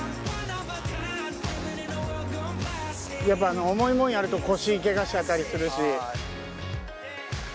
やっぱ重いものやると腰けがしちゃったりするし。